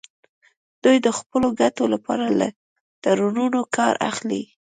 دوی د خپلو ګټو لپاره له تړونونو کار اخلي